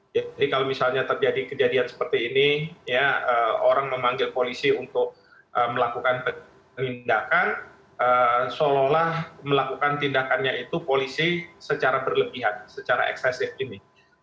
jadi kalau misalnya terjadi kejadian seperti ini ya orang memanggil polisi untuk melakukan tindakan seolah olah melakukan tindakannya itu polisi secara berlebihan secara eksesif ini